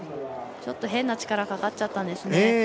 ちょっと変な力かかっちゃったんですね。